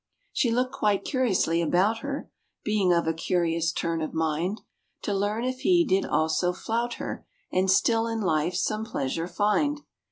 She looked quite curiously about her (Being of a curious turn of mind), To learn if he did also flout her And still in life some pleasure find.